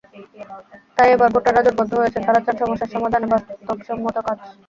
তাই এবার ভোটাররা জোটবদ্ধ হয়েছেন, তাঁরা চান সমস্যা সমাধানে বাস্তবসম্মত কাজ।